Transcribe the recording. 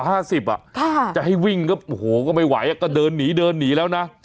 อ่ะห้าสิบอ่ะค่ะจะให้วิ่งก็โอ้โหก็ไม่ไหวอ่ะก็เดินหนีเดินหนีแล้วน่ะ